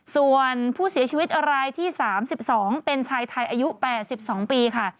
ส่วนผู้เสียชีวิตรายที่๓๒เป็นชายไทยอายุ๘๒ปีค่ะ